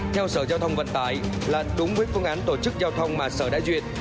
theo sở giao thông vận tải là đúng với phương án tổ chức giao thông mà sở đã duyệt